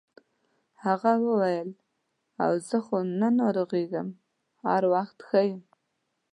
هغه وویل اوه زه خو نه ناروغیږم هر وخت ښه یم.